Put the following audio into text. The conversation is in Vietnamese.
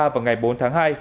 và ngày bốn tháng hai